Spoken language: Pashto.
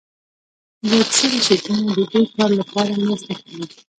د اکسل شیټونه د دې کار لپاره مرسته کوي